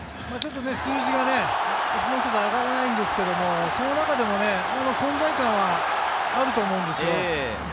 ちょっと数字がもう一つ上がらないんですけれど、存在感はあると思うんですよ。